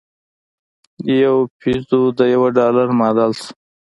یو پیزو د یوه ډالر معادل شو.